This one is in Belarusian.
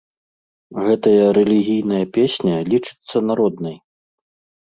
Гэтая рэлігійная песня лічыцца народнай.